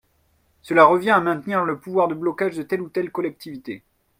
Cela revient à maintenir le pouvoir de blocage de telle ou telle collectivité.